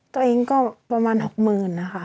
ตัวเองก็ประมาณหกหมื่นค่ะ